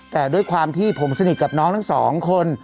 แต่ด้วยความที่ผมสนิทกับน้องทั้งสองคน